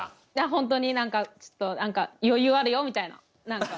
本当に何かちょっと余裕あるよみたいな何か。